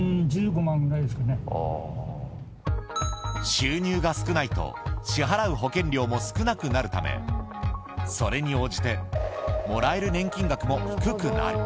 収入が少ないと支払う保険料も少なくなるためそれに応じてもらえる年金額も低くなる。